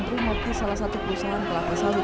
primop di salah satu perusahaan kelapa sawit